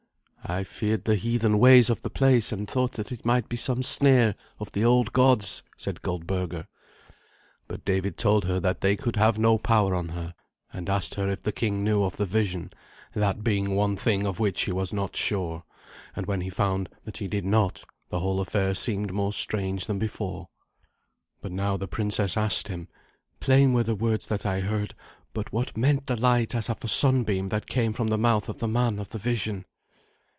"I feared the heathen ways of the place, and thought that it might be some snare of the old gods," said Goldberga. But David told her that they could have no power on her, and asked her if the king knew of the vision, that being one thing of which he was not sure; and when he found that he did not, the whole affair seemed more strange than before. But now the princess asked him, "Plain were the words that I heard, hut what meant the light as of a sunbeam that came from the mouth of the man of the vision?"